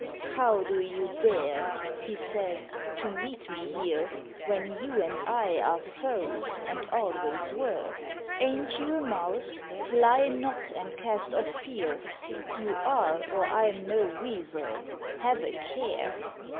"How do you dare," he said, "to meet me here, When you and I are foes, and always were? Aint you a mouse? lie not, and cast off fear; You are; or I'm no Weasel: have a care."